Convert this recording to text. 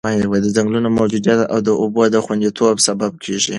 د ځنګلونو موجودیت د اوبو د خونديتوب سبب کېږي.